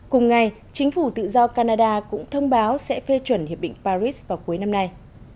cùng ngày chính phủ tự do canada cũng thông báo sẽ phê chuẩn hiệp định paris vào cuối năm nay